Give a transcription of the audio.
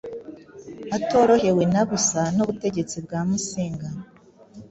atorohewe na busa n’ubutegetsi bwa Musinga